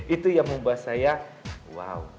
itu yang membuat saya wow